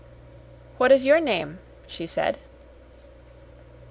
"What is your name?" she said.